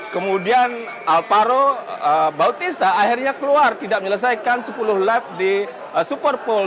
kemudian alvaro bautista akhirnya keluar tidak menyelesaikan sepuluh lap di superpole